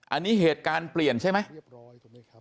อันนี้เหตุการณ์เปลี่ยนใช่ไหม